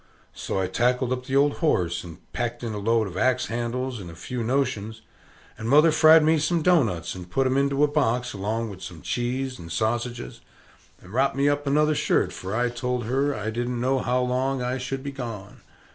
So I tackled up the old horse, and packed in a load of axe handles, and a few notions; and mother fried me some doughnuts, and put 'em into a box, along with some cheese, and sausages, and ropped me up another shirt, for I told her I didn't know how long I should be gone.